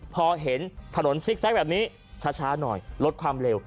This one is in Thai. พอเห็นถนนซิกแซคแบบนี้ช้าหน่อยลดความเร็ว